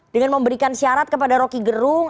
dengan memberikan syarat kepada roky gerung